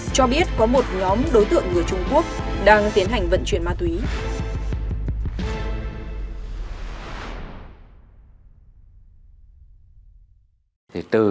cho biết có một nhóm đối tượng người trung quốc đang tiến hành vận chuyển ma túy